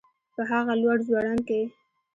په هغه لوړ ځوړند کي